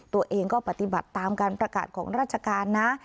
ตัวเองก็ปฏิบัติตามการประกาศของราชการนะ